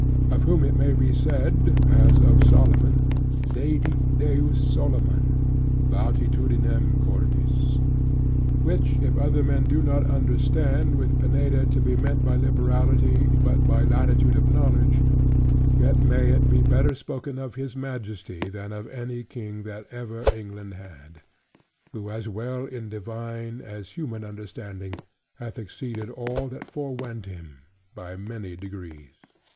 Of whom it may he said, as of Solomon, "Dedit Deus Solomon! latitudinem cordis": Which if other men do not understand with Pineda, to be meant by liberality, but by "latitude of knowledge"; yet may it be better spoken of His Majesty, than of any king that ever England had; who as well in divine, as human understanding, hath exceeded all that fore went him, by many degrees.